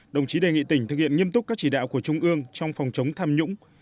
đồng chí đề nghị tỉnh thực hiện nghiêm túc các chỉ đạo của trung ương trong phòng chống tham nhũng